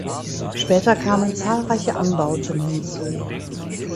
Später kamen zahlreiche Anbauten hinzu.